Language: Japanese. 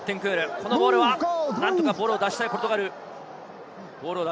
このボールは何とか出したいポルトガル。